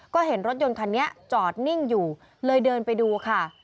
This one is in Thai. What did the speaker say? ก็เห็นรถยนต์คันนี้จอดนิ่งอยู่เลยเดินไปดูค่ะ